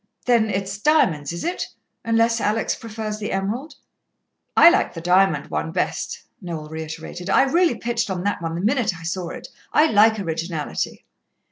"Then it's diamonds, is it? unless Alex prefers the emerald." "I like the diamond one best," Noel reiterated. "I really pitched on that one the minute I saw it. I like originality."